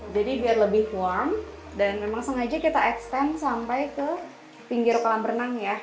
jadi biar lebih warm dan memang sengaja kita extend sampai ke pinggir kolam berenang ya